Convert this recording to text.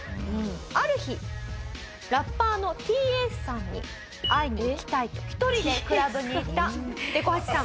ある日ラッパーのｔ−Ａｃｅさんに会いに行きたいと１人でクラブに行ったでこ八さん。